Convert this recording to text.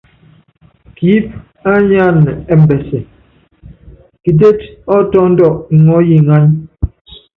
Kiíp á nyáan ɛmbɛsɛ, kitét ɔ́ tɔ́ndɔ ŋɔɔ́ yi ŋány.